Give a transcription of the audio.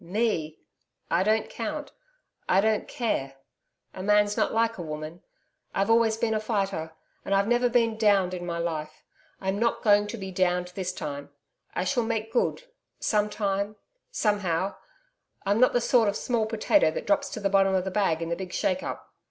'Me! I don't count I don't care.... A man's not like a woman. I've always been a fighter. And I've never been DOWNED in my life. I'm not going to be DOWNED this time. I shall make good some time somehow. I'm not the sort of small potato that drops to the bottom of the bag in the big shake up.'